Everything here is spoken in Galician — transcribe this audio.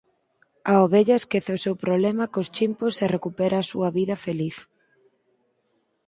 A ovella esquece o seu problema cos chimpos e recupera a súa vida feliz.